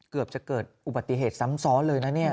เกือบจะเกิดอุบัติเหตุซ้ำซ้อนเลยนะเนี่ย